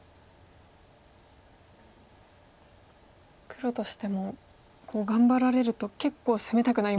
黒としても頑張られると結構攻めたくなりますよね。